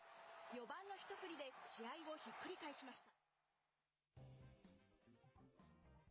４番の一振りで試合をひっくり返しました。